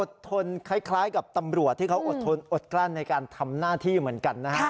ทนคล้ายกับตำรวจที่เขาอดทนอดกลั้นในการทำหน้าที่เหมือนกันนะฮะ